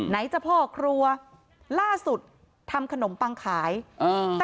จะพ่อครัวล่าสุดทำขนมปังขายอ่า